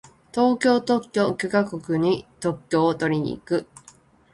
東京特許許可局に特許をとりに行く。